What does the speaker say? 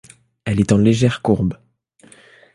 Elle est en légère courbe.